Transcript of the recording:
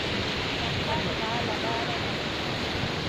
Nan ka ŋa labaɗa vanu.